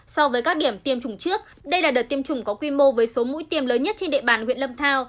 so với các điểm tiêm chủng trước đây là đợt tiêm chủng có quy mô với số mũi tiêm lớn nhất trên địa bàn huyện lâm thao